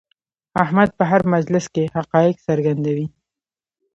احمد په هر مجلس کې حقایق څرګندوي.